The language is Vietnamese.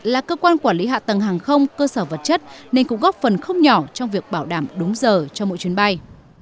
là cơ quan quản lý hạ tầng hàng không cơ sở vật chất nên cũng góp phần không nhỏ trong việc bảo đảm đúng giờ cho mỗi chuyến bay